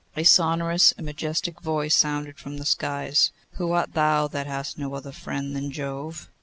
A sonorous and majestic voice sounded from the skies: 'Who art thou that hast no other friend than Jove?